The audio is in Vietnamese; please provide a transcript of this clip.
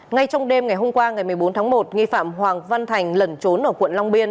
ngay trong đêm ngày hôm qua ngày một mươi bốn tháng một nghi phạm hoàng văn thành lẩn trốn ở quận long biên